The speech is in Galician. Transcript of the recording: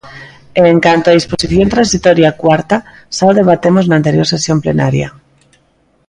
E en canto á disposición transitoria cuarta, xa o debatemos na anterior sesión plenaria.